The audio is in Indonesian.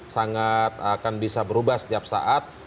sangat akan bisa berubah setiap saat